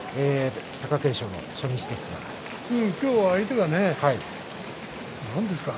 貴景勝の初日、どうですか。